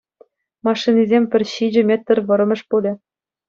Машинисем пӗр ҫичӗ метр вӑрӑмӗш пулӗ.